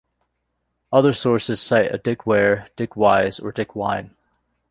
Other sources cite a Dick Ware, Dick Wise, or Dick Wine.